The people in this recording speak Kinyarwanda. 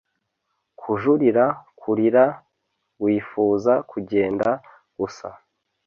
kujurira kurira, wifuza kugenda gusa